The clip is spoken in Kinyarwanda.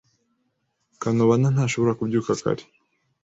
Kanobana ntazashobora kubyuka kare.